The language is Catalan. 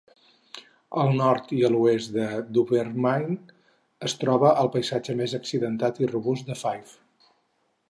Al nord i a l'oest de Dunfermline es troba el paisatge més accidentat i robust de Fife.